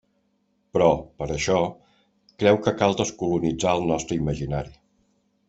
Però, per a això, creu que cal descolonitzar el nostre imaginari.